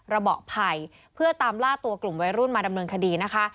ระเบาะไผ่เพื่อตามล่าตัวกลุ่มวัยรุ่นมาดำเนินคดีนะคะ